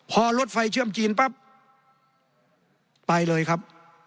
พอรถไฟเชื่อมจีนปั๊บไปเลยครับ